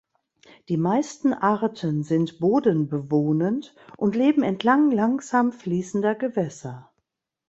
Die meisten Arten sind bodenbewohnend und leben entlang langsam fließender Gewässer.